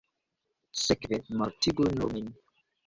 Sekve, mortigu nur min.